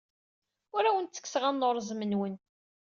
Ur awen-ttekkseɣ anurẓem-nwen.